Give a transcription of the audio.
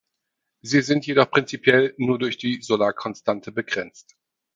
Sie sind jedoch prinzipiell nur durch die Solarkonstante begrenzt.